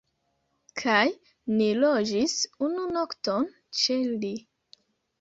Kaj ni loĝis unu nokton ĉe li